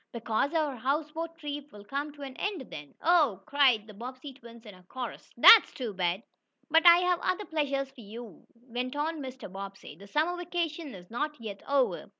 "Because our houseboat trip will come to an end then." "Oh!" cried the Bobbsey twins in a chorus. "That's too bad!" "But I have other pleasures for you," went on Mr. Bobbsey. "The summer vacation is not yet over."